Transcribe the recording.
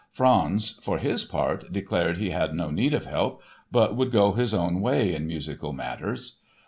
Franz, for his part, declared he had no need of help but would go his own way in musical matters.